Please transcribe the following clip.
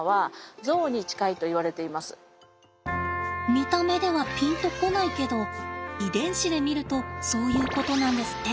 見た目ではピンと来ないけど遺伝子で見るとそういうことなんですって。